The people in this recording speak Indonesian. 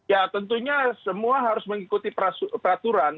ya tentunya semua harus mengikuti peraturan